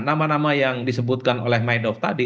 nama nama yang disebutkan oleh midov tadi